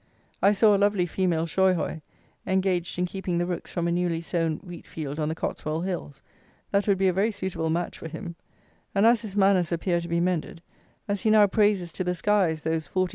I saw a lovely female shoy hoy, engaged in keeping the rooks from a newly sown wheat field on the Cotswold Hills, that would be a very suitable match for him; and, as his manners appear to be mended; as he now praises to the skies those 40_s.